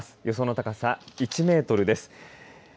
予想の高さ１メートルです。